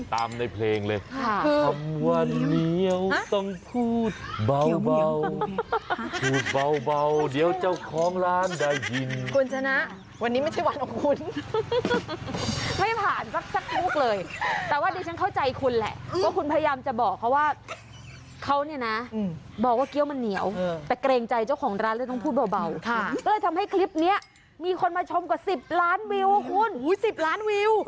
ในเพลงเลยคือทำวันเดียวต้องพูดเบาพูดเบาเดี๋ยวเจ้าของร้านได้ยินคุณชนะวันนี้ไม่ใช่วันของคุณไม่ผ่านสักสักลูกเลยแต่ว่าดิฉันเข้าใจคุณแหละว่าคุณพยายามจะบอกเขาว่าเขาเนี่ยนะบอกว่าเกี้ยวมันเหนียวแต่เกรงใจเจ้าของร้านเลยต้องพูดเบาก็เลยทำให้คลิปนี้มีคนมาชมกว่า๑๐ล้านวิวคุณ๑๐ล้านวิว